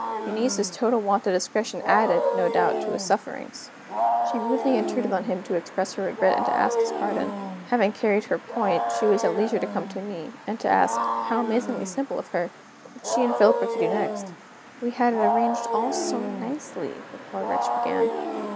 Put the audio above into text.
Eunice's total want of discretion added, no doubt, to his sufferings: she rudely intruded on him to express her regret and to ask his pardon. Having carried her point, she was at leisure to come to me, and to ask (how amazingly simple of her!) what she and Philip were to do next. "We had arranged it all so nicely," the poor wretch began.